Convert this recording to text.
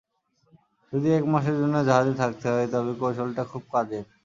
যদি এক মাসের জন্য জাহাজে থাকতে হয় তবে কৌশলটা খুব কাজের।